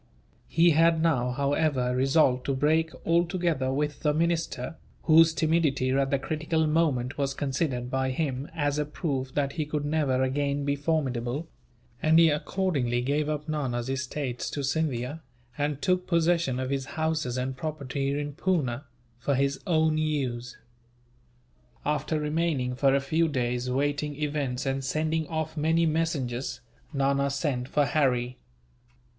He had now, however, resolved to break altogether with the minister, whose timidity at the critical moment was considered, by him, as a proof that he could never again be formidable; and he accordingly gave up Nana's estates to Scindia, and took possession of his houses and property in Poona, for his own use. After remaining for a few days, waiting events and sending off many messengers, Nana sent for Harry.